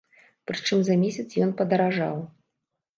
Прычым за месяц ён падаражаў!